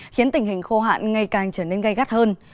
khiến tình hình khô hạn ngày càng trở nên gây gắt hơn